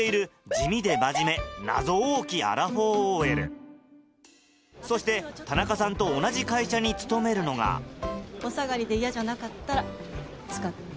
地味で真面目謎多きアラフォーＯＬそして田中さんと同じ会社に勤めるのがお下がりで嫌じゃなかったら使って。